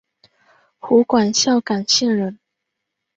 湖广孝感县人。